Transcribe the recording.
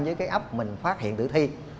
với cái ấp mình phát hiện tử thi